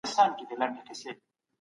خلګ باید د خپلو کړنو مسؤلیت ومني.